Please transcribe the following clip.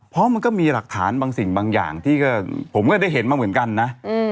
เพราะมันก็มีหลักฐานบางสิ่งบางอย่างที่ผมก็ได้เห็นมาเหมือนกันนะ